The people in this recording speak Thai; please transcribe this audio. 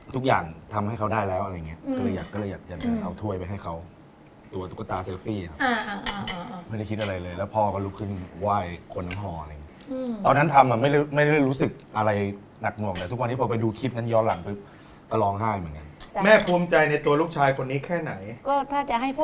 ทุกอย่างทำให้เขาได้แล้วอะไรอย่างนี้ก็เลยอยากเอาถ้วยไปให้เขา